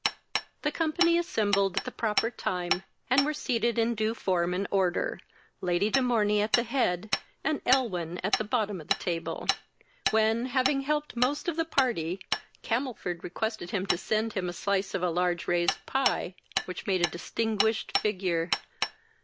The company assembled at the proper time, and were seated in due form and order, Lady de Morney at the head, and Elwyn at the bottom of the table; when, having helped most of the party, Camelford requested him to send him a slice of a large raised pie, which made a distinguished figure.